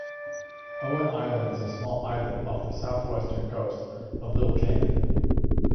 Owen island is a small islet off the south-western coast of Little Cayman.